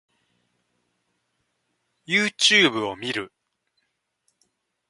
Youtube を見る